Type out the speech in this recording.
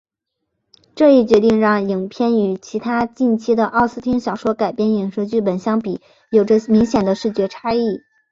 这一决定让影片与其他近期的奥斯汀小说改编影视剧本相比有着明显的视觉差异。